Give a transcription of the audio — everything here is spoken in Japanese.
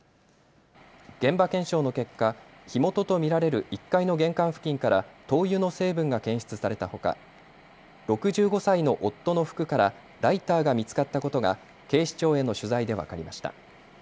現場検証の結果、火元と見られる１階の玄関付近から灯油の成分が検出されたほか６５歳の夫の服からライターが見つかったことが警視庁への取材で分かりました。